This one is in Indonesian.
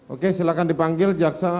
oke silahkan dipanggil